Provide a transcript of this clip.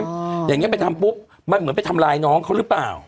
มันเหมือนไปทำลายน้องเขาหรือเปล่า